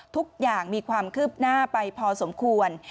ทุกอย่างมีความคืบหน้าไปพอสมควร